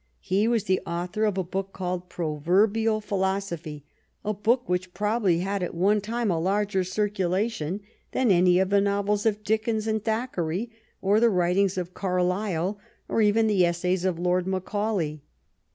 He was the author of a book called Proverbial Philosophy," a book which probably had at one time a larger circula tion than any of the novels of Dickens and Thackeray, or the writings of Carlyle, or even the essays of Lord Macaulay.